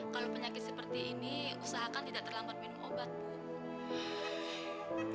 kalau penyakit seperti ini usahakan tidak terlambat minum obat bu